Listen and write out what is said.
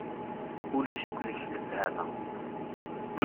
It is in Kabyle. Ulac akk deg-k lefhama.